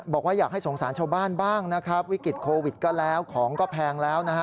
บอกว่าอยากให้สงสารชาวบ้านบ้างนะครับวิกฤตโควิดก็แล้วของก็แพงแล้วนะฮะ